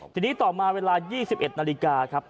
ทีนี้ต่อมาเวลา๒๑นาฬิกาครับ